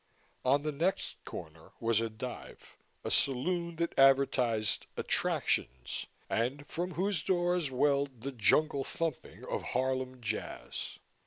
On the next corner was a dive a saloon that advertised "Attractions" and from whose doors welled the jungle thumping of Harlem jazz.